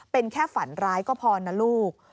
เป็นแค่ฝันร้ายก็พอนะลูก